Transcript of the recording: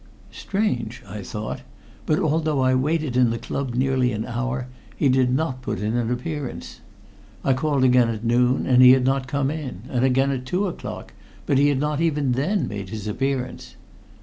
Strange, I thought, but although I waited in the club nearly an hour, he did not put in an appearance. I called again at noon, and he had not come in, and again at two o'clock, but he had not even then made his appearance.